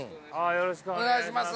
よろしくお願いします